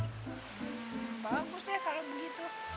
bagus deh kalau begitu